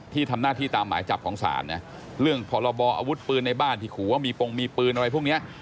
ที่ทำหน้าที่ตามหมายจับของศาลนะเรื่องพรบออาวุธปืนในบ้านที่ขู่ว่ามีปงมีปืนอะไรพวกนี้